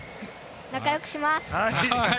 仲よくします！